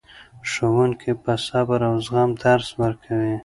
ښوونکي په صبر او زغم درس ورکوي.